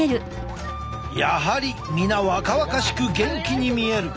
やはり皆若々しく元気に見える。